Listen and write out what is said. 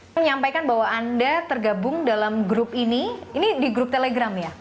menyampaikan bahwa anda tergabung dalam grup ini ini di grup telegram ya